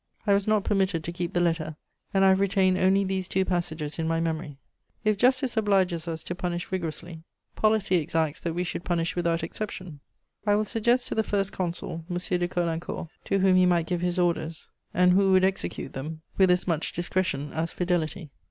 I was not permitted to keep the letter, and I have retained only these two passages in my memory: "If justice obliges us to punish vigorously, policy exacts that we should punish without exception.................... I will suggest to the First Consul M. de Caulaincourt, to whom he might give his orders, and who would execute them with as much discretion as fidelity."